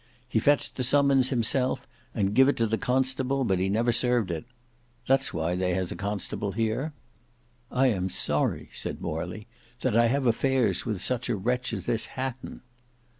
He fetched the summons himself and giv it to the constable, but he never served it. That's why they has a constable here." "I am sorry," said Morley, "that I have affairs with such a wretch as this Hatton."